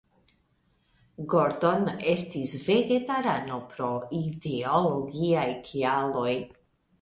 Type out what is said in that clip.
Gordon estis vegetarano pro ideologiaj kialoj.